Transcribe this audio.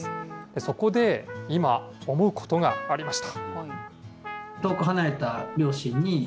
そこで、今、思うことがありました。